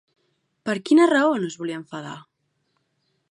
Per quina raó no es volia enfadar?